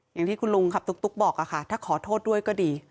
อย่างที่คุณลุงขับตุ๊กบอกค่ะถ้าขอโทษด้วยก็ดี